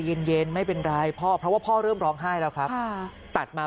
เย็นเย็นไม่เป็นไรพ่อเพราะว่าพ่อเริ่มร้องไห้แล้วครับตัดมา